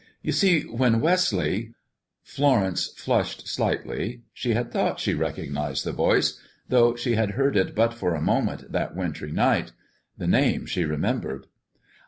"You see, when Wesley" Florence flushed slightly; she had thought she recognized the voice, though she had heard it but for a moment that wintry night. The name she remembered.